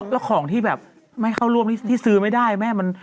แล้วของที่แบบไม่เข้าร่วมที่ซื้อไม่ได้แม่